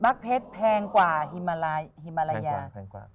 บัคเพชรแพงกว่าฮิมาลายา